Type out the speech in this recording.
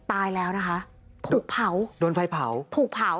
ตายแล้วนะคะถูกเผาโดนไฟเผาถูกเผา